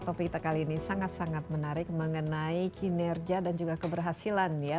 topik kita kali ini sangat sangat menarik mengenai kinerja dan juga keberhasilan ya